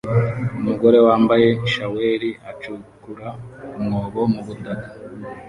Umugore wambaye shaweli acukura umwobo mu butaka